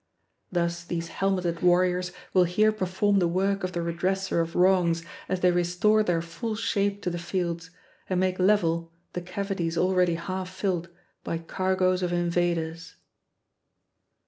Thus these helmeted warriors will here perform the work of the redresser of wrongs as they restore their full shape to the fields and make level the cavities already half filled by cargoes of invaders.